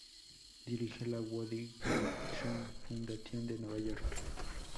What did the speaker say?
Dirige la Woody Guthrie Foundation de Nueva York.